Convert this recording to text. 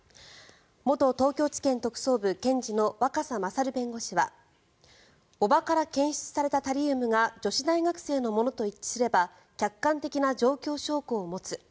元東京地検特捜部検事の若狭勝弁護士は叔母から検出されたタリウムが女子大学生のものと一致すれば客観的な状況証拠を持つ。